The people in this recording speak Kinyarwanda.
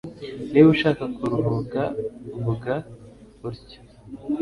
Niba ushaka kuruhuka, vuga utyo.